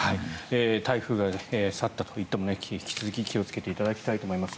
台風が去ったといっても引き続き気をつけていただきたいと思います。